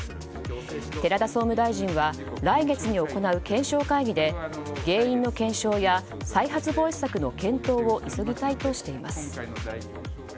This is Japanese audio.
寺田総務大臣は来月に行う検証会議で原因の検証や再発防止策の検討を急ぎたいとしています。